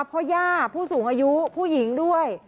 พ่อย่าผู้สูงอายุผู้หญิงด้วย